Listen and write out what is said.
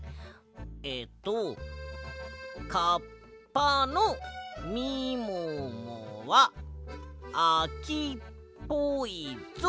えっと「カッパのみももはあきっぽいぞ。